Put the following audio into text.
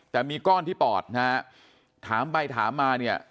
แต่มีก้อนที่ปอดนะฮะถามไปถามมาเนี่ย